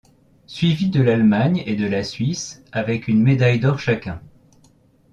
Suivi de l'Allemagne et de la Suisse avec une médaille d'or chacun.